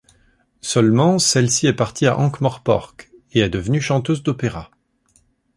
Seulement celle-ci est partie à Ankh-Morpork et est devenue chanteuse d'opéra.